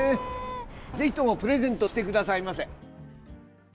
ぜひともプレゼントしてくださいませ。